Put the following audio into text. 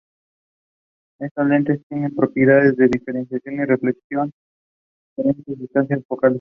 Estas lentes tienen propiedades de difracción y reflexión y diferentes distancias focales.